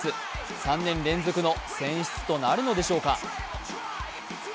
３年連続の選出となるのでしょうか。